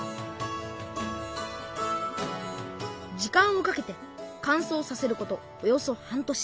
時間をかけてかんそうさせることおよそ半年。